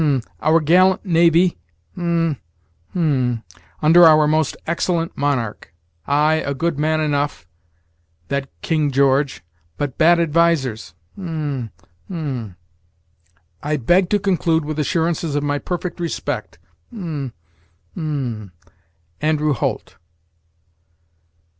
Hum, hum 'our gallant navy' hum, hum 'under our most excellent monarch' ay, a good man enough, that King George, but bad advisers: hum, hum 'I beg to conclude with assurances of my perfect respect.' hum, hum 'Andrew Holt.